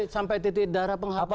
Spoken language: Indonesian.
sampai titik darah penghakiman